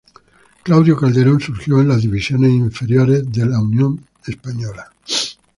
Claudio Calderón surgió en las divisiones inferiores de Unión Española.